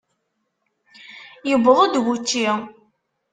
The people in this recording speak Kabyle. Yewweḍ-d wučči.